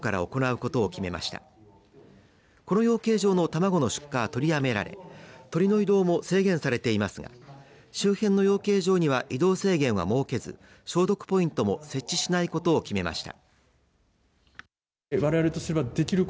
この養鶏場の卵の出荷は取りやめられ鶏の移動も制限されていますが周辺の養鶏場には移動制限は設けず消毒ポイントも設置しないことを決めました。